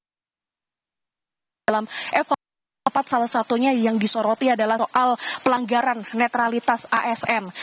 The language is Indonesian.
dalam evaluasi salah satunya yang disoroti adalah soal pelanggaran netralitas asm